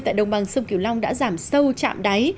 tại đồng bằng sông kiều long đã giảm sâu trạm đáy